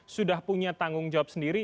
sudah punya tanggung jawab sendiri